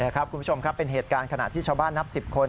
คุณผู้ชมครับเป็นเหตุการณ์ขณะที่ชาวบ้านนับ๑๐คน